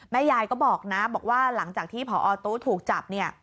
แม่ยายก็บอกนะบอกว่าหลังจากที่ผอตู้ถูกจับ